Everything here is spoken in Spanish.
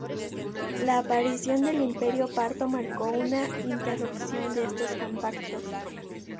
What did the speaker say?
La aparición del Imperio Parto marcó una interrupción de estos contactos.